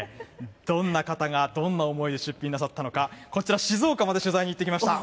どんな方がどんな思いで出品なさったのか、こちら、静岡まで取材に行ってきました。